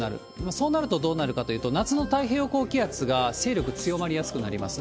そうなるとどうなるかというと、夏の太平洋高気圧が勢力強まりやすくなります。